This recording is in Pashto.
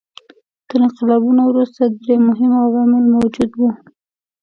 تر انقلابونو وروسته درې مهم عوامل موجود وو.